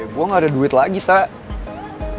gue gak ada duit lagi kak